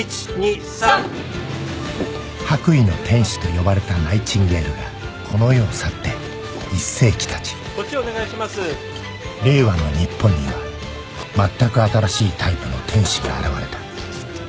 「白衣の天使」と呼ばれたナイチンゲールがこの世を去って１世紀経ち令和の日本にはまったく新しいタイプの天使が現れた